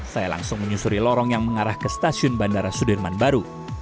saya langsung menyusuri lorong yang mengarah ke stasiun bandara sudirman baru